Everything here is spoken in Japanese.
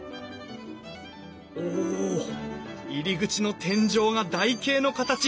おお入り口の天井が台形の形。